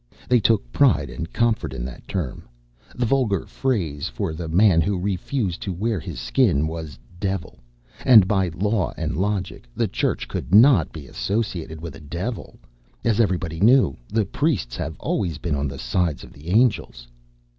They took pride and comfort in that term. The vulgar phrase for the man who refused to wear his Skin was "devil," and, by law and logic, the Church could not be associated with a devil. As everybody knew, the priests have always been on the side of the angels.